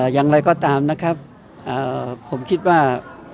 อย่างไรก็ตามนะครับผมคิดว่า